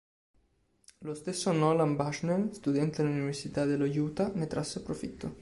Lo stesso Nolan Bushnell, studente all'Università dello Utah, ne trasse profitto.